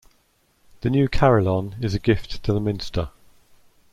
The new carillon is a gift to the minster.